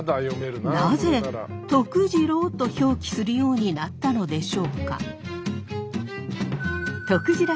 なぜ徳次郎と表記するようになったのでしょうか？